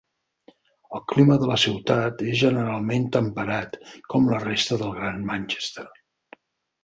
El clima de la ciutat és generalment temperat, com la resta del Gran Manchester.